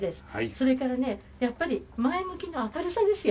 それからね、やっぱり前向きな明るさですよ。